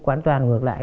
quản toàn ngược lại